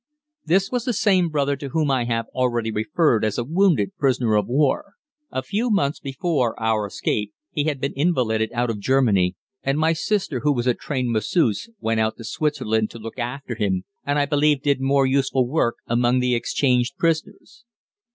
This was the same brother to whom I have already referred as a wounded prisoner of war. A few months before our escape he had been invalided out of Germany, and my sister, who was a trained masseuse, went out to Switzerland to look after him, and I believe did much useful work among the exchanged prisoners.